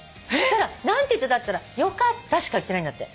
何て言ってた？って言ったらよかったしか言ってないんだって。